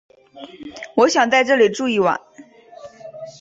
我想在这里住一晚